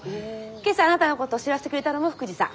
今朝あなたのこと知らせてくれたのも福治さん。